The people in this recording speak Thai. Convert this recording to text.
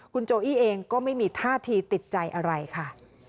คุณโจอี้เองก็ไม่มีท่าทีติดใจอะไรค่ะ